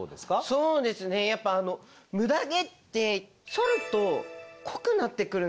そうですねやっぱムダ毛ってそると濃くなってくるんですよね。